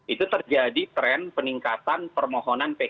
itu terjadi tren peningkatan permohonan pkpu